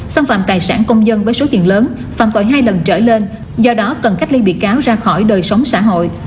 xâm phạm tài sản công dân với số tiền lớn phạm tội hai lần trở lên do đó cần cách ly bị cáo ra khỏi đời sống xã hội